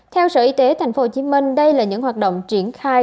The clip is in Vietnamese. theo sở y tế tp hcm đây là những hoạt động triển khai